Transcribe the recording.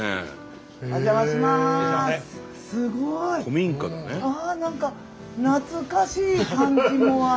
すごい！何か懐かしい感じもあり。